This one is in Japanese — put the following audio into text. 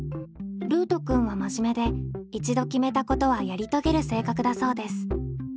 ルートくんはまじめで一度決めたことはやりとげる性格だそうです。